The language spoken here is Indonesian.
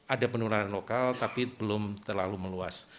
ada penularan lokal tapi belum terlalu meluas